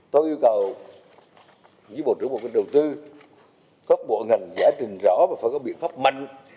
tôi yêu cầu với bộ trưởng bộ kinh đầu tư các bộ ngành giải trình rõ và phải có biện pháp mạnh